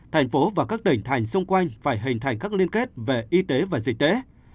thành phố và các tỉnh thành xung quanh phải hình thành các liên kết về y tế và dịch tễ